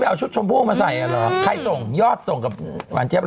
เอาชุดชมพู่มาใส่แล้วใครส่งยอดส่งกับหวานเสียบหรอ